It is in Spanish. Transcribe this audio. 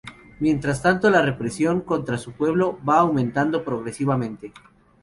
Mientras tanto, la represión contra su pueblo va aumentando progresivamente.